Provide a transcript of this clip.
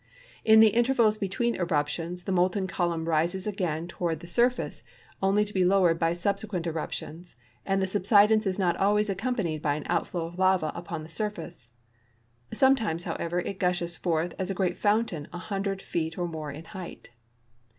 In tbe intervals between eruptions the molten column rises again to ward the surface, only to be lowered by subsequent eruptions, and the subsidence is not always accompanied by an outflow of lava upon the surface. Sometimes, however, it gushes forth as a great fountain a hundred feet or more in height.